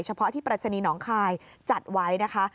เพาะที่ปรัชนีหนองคายจัดไว้นะคะ